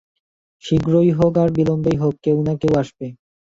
শীঘ্রই হোক আর বিলম্বেই হোক, কেউ না কেউ আসবে।